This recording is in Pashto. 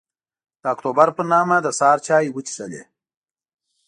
د اکتوبر پر نهمه د سهار چای وڅښلې.